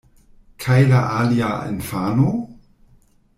Kaj la alia infano?